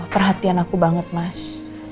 perhatian aku banget mas